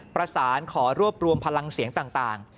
ประสานขอรวบรวมพลังเสียงต่าง